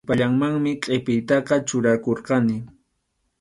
Qhipallamanmi qʼipiytaqa churakurqani.